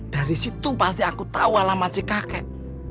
dari situ pasti aku tahu alamat si kakek